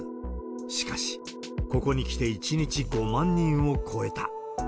しかし、ここにきて１日５万人を超えた。